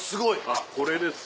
あっこれです。